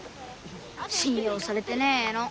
信用されてねえの。